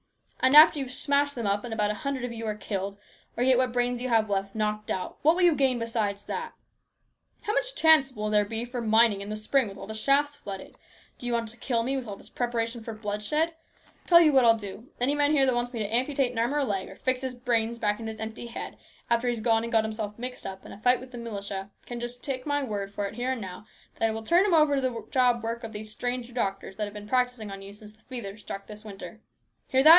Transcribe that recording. And after you've smashed them up and about a hundred of you are killed, or get what few brains you have left knocked out, what will you gain besides that ? How much chance will there be for mining in the spring with all the shafts flooded ? Do you want to kill me with all this preparation for bloodshed ? Tell you what I'll do. Any man here that wants me to amputate an arm or leg, or fix his brains back into his empty head after he's gone and got himself mixed up in a fight with the militia, can just take my word for it here and now, that I will turn him over to the job work of these stranger doctors that have been practising on you since the fever struck in this winter. Hear that